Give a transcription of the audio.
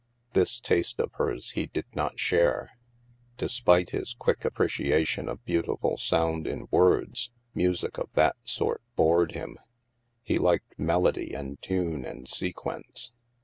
This taste of hers he did not share. Despite his quick appreciation of beautiful sound in words, music of that sort bored him. He liked melody and tune and sequence.